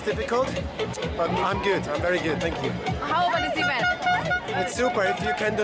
terutama karena ini cari sih jadi disumbang sih kita